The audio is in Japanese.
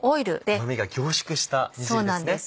うまみが凝縮した煮汁ですね。